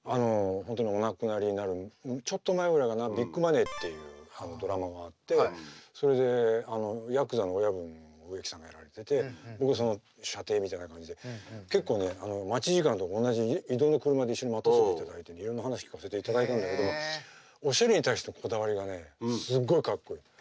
本当にお亡くなりになるちょっと前ぐらいかな「ビッグマネー！」っていうドラマがあってそれでやくざの親分を植木さんがやられてて僕はその舎弟みたいな感じで結構ね待ち時間とか同じ移動の車で一緒に待たせていただいていろんな話聞かせていただいたんだけどおしゃれに対してのこだわりがすごいかっこいい。